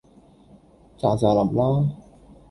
咋咋淋啦